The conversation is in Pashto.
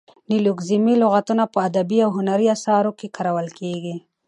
نیولوګیزمي لغاتونه په ادبي او هنري اثارو کښي کارول کیږي.